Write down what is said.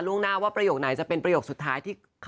่งหน้าว่าประโยคไหนจะเป็นประโยคสุดท้ายที่